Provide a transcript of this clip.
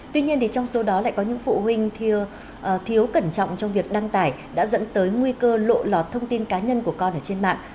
tuy nhiên trong số đó lại có những phụ huynh thiếu cẩn trọng trong việc đăng tải đã dẫn tới nguy cơ lộ lọt thông tin cá nhân của con ở trên mạng